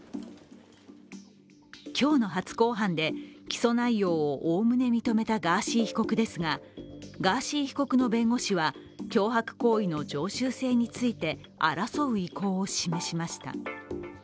今日の初公判で起訴内容をおおむね認めたガーシー被告ですが、ガーシー被告の弁護士は脅迫行為の常習性について争う意向を示しました。